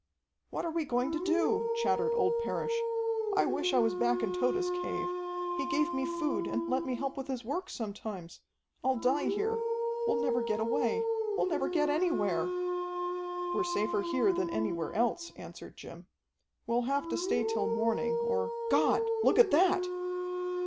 "What are we going to do?" chattered old Parrish. "I wish I was back in Tode's cave. He gave me food and let me help with his work sometimes. I'll die here. We'll never get away. We'll never get anywhere." "We're safer here than anywhere else," answered Jim. "We'll have to stay till morning, or God, look at that!"